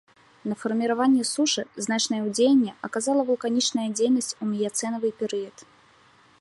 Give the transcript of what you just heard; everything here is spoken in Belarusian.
На фарміраванне сушы значнае ўздзеянне аказала вулканічная дзейнасць у міяцэнавы перыяд.